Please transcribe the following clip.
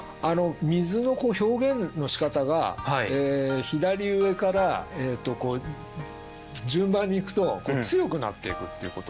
水の表現のしかたが左上から順番にいくと強くなっていくっていうことですね。